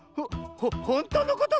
ほほんとうのこと⁉